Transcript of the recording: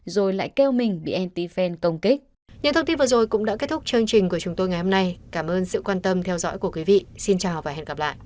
rồi lại kêu mình bị anti fan công kích